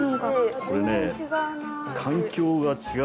これね。